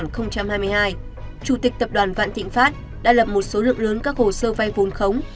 năm hai nghìn một mươi hai chủ tịch tập đoàn vạn thịnh pháp đã lập một số lượng lớn các hồ sơ vai vốn khống